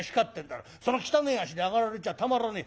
その汚え足で上がられちゃたまらねえ。